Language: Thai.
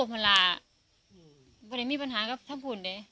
ไม่ว่า๕ปีแดะ๑๐ปีไม่มาเยี๊บ